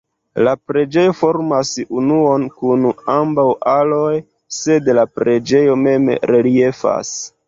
La preĝejo formas unuon kun ambaŭ aloj, sed la preĝejo mem reliefas.